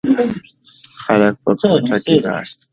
خلک په کوټه کې ناست ول.